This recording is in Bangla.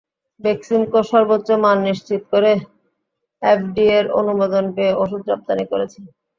বেক্সিমকো সর্বোচ্চ মান নিশ্চিত করে এফডিএর অনুমোদন পেয়ে ওষুধ রপ্তানি করছে।